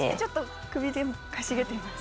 首でもかしげてみます？